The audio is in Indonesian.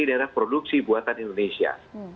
di dalam produksi buatan indonesia